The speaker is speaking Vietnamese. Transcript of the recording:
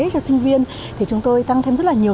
cho sinh viên thì chúng tôi tăng thêm rất là nhiều